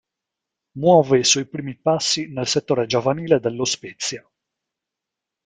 Muove i suoi primi passi nel settore giovanile dello Spezia.